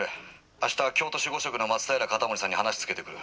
明日京都守護職の松平容保さんに話つけてくる。